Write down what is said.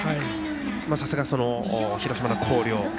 さすが、広島の広陵。